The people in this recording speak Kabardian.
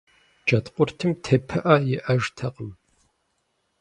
Джэдкъуртым тепыӀэ иӀэжтэкъым.